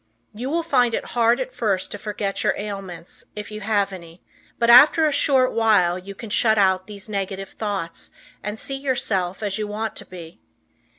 You will find it hard at first to forget your ailments, if you have any, but after a short while you can shut out these negative thoughts and see yourself as you want to be.